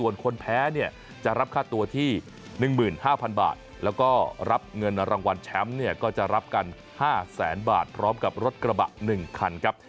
แล้วก็รับเงินรางวัลแชมป์เนี่ยก็จะรับกัน๕แสนบาทพร้อมกับรถกระบะ๑คันครับ